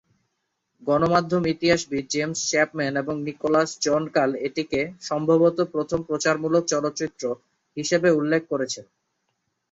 গণমাধ্যম ইতিহাসবিদ James Chapman এবং নিকোলাস জন কাল এটিকে "সম্ভবত প্রথম প্রচারমূলক চলচ্চিত্র" হিসেবে উল্লেখ করেছেন।